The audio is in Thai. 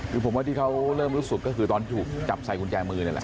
คือผมว่าที่เขาเริ่มรู้สึกก็คือตอนถูกจับใส่กุญแจมือนี่แหละ